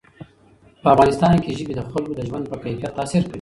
په افغانستان کې ژبې د خلکو د ژوند په کیفیت تاثیر کوي.